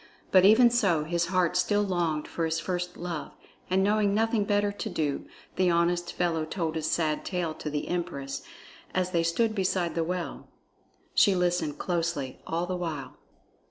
But even so his heart still longed for his first love, and knowing nothing better to do, the honest fellow told his sad tale to the empress, as they stood beside the well. She listened closely all the while.